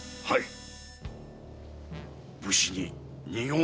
はい。